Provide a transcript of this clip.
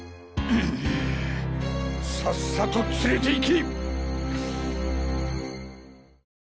さっさと連れていけ！